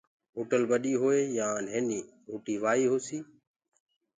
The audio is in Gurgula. هوٽل ٻڏي هوئي يآن نهيني روٽي وآئي هوسي